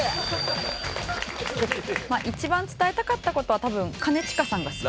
一番伝えたかった事は多分兼近さんが好き。